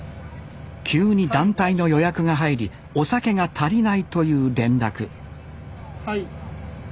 急に団体の予約が入りお酒が足りないという連絡はい。